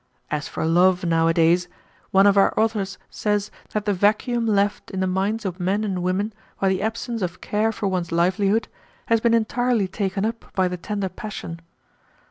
As for love nowadays, one of our authors says that the vacuum left in the minds of men and women by the absence of care for one's livelihood has been entirely taken up by the tender passion.